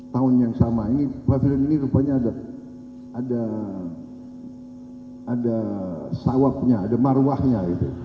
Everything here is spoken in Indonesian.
tahun yang sama pavilion ini rupanya ada sawapnya ada marwahnya